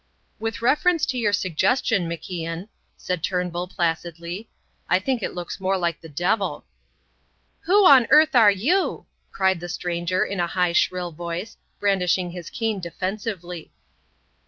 "With reference to your suggestion, MacIan," said Turnbull, placidly, "I think it looks more like the Devil." "Who on earth are you?" cried the stranger in a high shrill voice, brandishing his cane defensively.